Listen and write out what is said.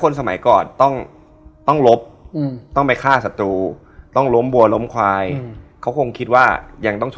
ยังไงก็ต้องนอน